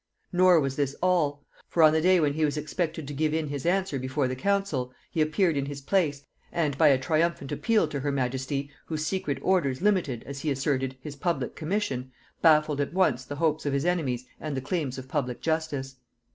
Nor was this all; for on the day when he was expected to give in his answer before the council, he appeared in his place, and by a triumphant appeal to her majesty, whose secret orders limited, as he asserted, his public commission, baffled at once the hopes of his enemies and the claims of public justice.